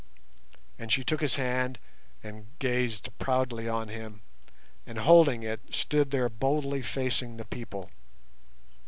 And she took his hand and gazed proudly on him, and holding it, stood there boldly facing the people.